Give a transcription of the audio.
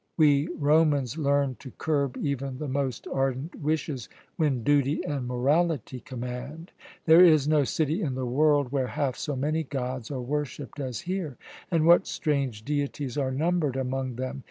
We Romans learn to curb even the most ardent wishes when duty and morality command. There is no city in the world where half so many gods are worshipped as here; and what strange deities are numbered among them!